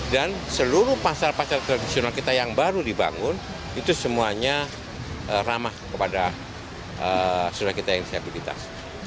dan seluruh pasar pasar tradisional kita yang baru dibangun itu semuanya ramah kepada saudara kita yang disabilitas